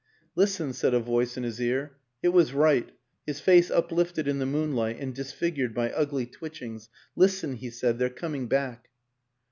" Listen," said a voice in his ear. It was Wright, his face uplifted in the moonlight and disfigured by ugly twitchings. " Listen," he said, " they're coming back."